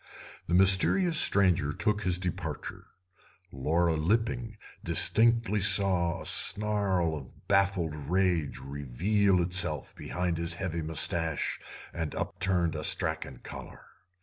The mysterious stranger took his departure; Laura Lipping distinctly saw a snarl of baffled rage reveal itself behind his heavy moustache and upturned astrachan collar.